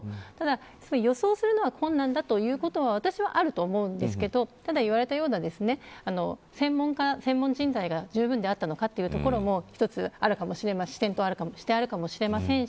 ただ、予想するのは困難だということは、私はあると思うんですけど専門人材がじゅうぶんであったのかというところも一つあるかもしれません。